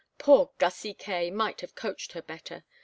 Poor Gussy Kaye might have coached her better.